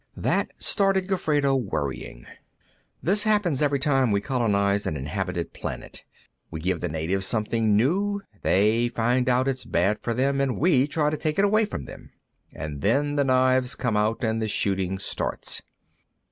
That started Gofredo worrying. "This happens every time we colonize an inhabited planet. We give the natives something new. Then we find out it's bad for them, and we try to take it away from them. And then the knives come out, and the shooting starts."